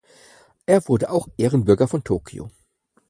Er wurde auch Ehrenbürger von Tokio.